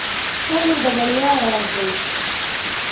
• صبر د بریا راز دی.